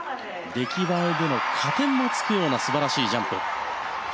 出来栄えでの加点もつくような素晴らしいジャンプ。